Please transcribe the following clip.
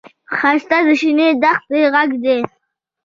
ښایست د شنې دښتې غږ دی